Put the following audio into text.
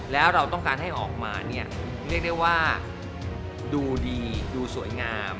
แล้วเราต้องการให้ออกมาเนี่ยเรียกได้ว่าดูดีดูสวยงาม